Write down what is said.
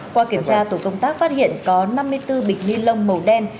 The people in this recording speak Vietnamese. qua kiểm tra tổ công tác phát hiện có năm mươi bốn bịch ni lông màu đen